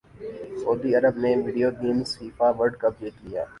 سعودی عرب نے video games FIFA World Cup جیت لیا